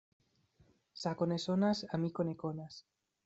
Sako ne sonas, amiko ne konas.